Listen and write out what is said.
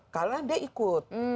karena dia ikut